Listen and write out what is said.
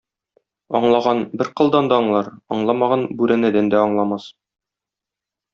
Аңлаган бер кылдан да аңлар, аңламаган бүрәнәдән дә аңламас.